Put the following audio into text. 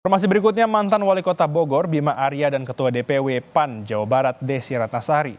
informasi berikutnya mantan wali kota bogor bima arya dan ketua dpw pan jawa barat desi ratnasari